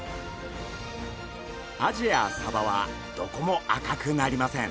アジやサバはどこも赤くなりません。